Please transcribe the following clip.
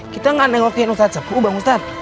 kita gak denger keinginan ustadz sefu bang ustadz